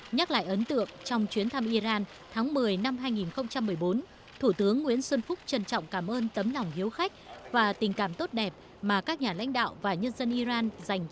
nhắc lại ấn tượng trong chuyến thăm iran tháng một mươi năm hai nghìn một mươi bốn thủ tướng nguyễn xuân phúc trân trọng cảm ơn tấm lòng hiếu khách và tình cảm tốt đẹp mà các nhà lãnh đạo và nhân dân iran dành